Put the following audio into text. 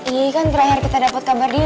iya kan terakhir kita dapet kabar dia